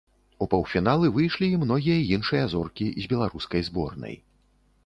У паўфіналы выйшлі і многія іншыя зоркі з беларускай зборнай.